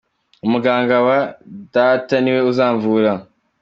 Umuganga wa data niwe uzamvura.